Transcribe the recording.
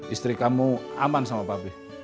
istri kamu aman sama babi